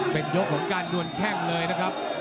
เป็นยกของการดวนแข้งเลยนะครับ